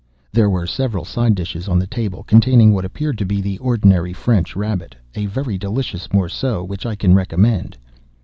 There were several side dishes on the table, containing what appeared to be the ordinary French rabbit—a very delicious morceau, which I can recommend.